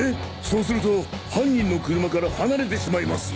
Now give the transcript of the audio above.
そうすると犯人の車から離れてしまいます。